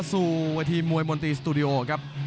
สู่เวทีมวยมนตรีสตูดิโอครับ